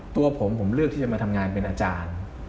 ตัวผมผมเลือกที่จะมาทำงานเป็นอาจารย์